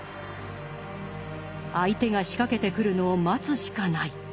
相手が仕掛けてくるのを待つしかない。